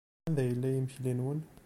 Anda yella yimekli-nwen?